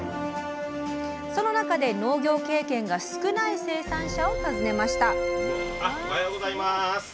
その中で農業経験が少ない生産者を訪ねました